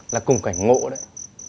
là cùng cảnh ngộ đấy